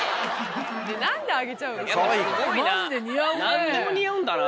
何でも似合うんだな。